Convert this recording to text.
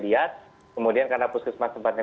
lihat kemudian karena puskesmas tempatnya